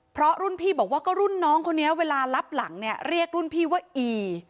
เพราะรุ่นพี่บอกว่าก็รุ่นน้องคนนี้เวลารับหลังเนี่ยเรียกรุ่นพี่ว่าอี